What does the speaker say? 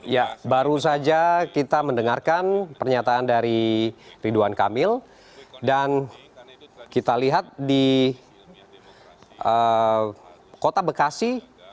ya baru saja kita mendengarkan pernyataan dari ridwan kamil dan kita lihat di kota bekasi